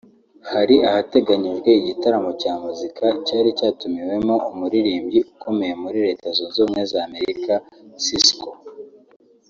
hari hateganyijwe igitaramo cya muzika cyari cyatumiwemo umuririmbyi ukomeye muri Reta zunze ubumwe za Amerika Sisqo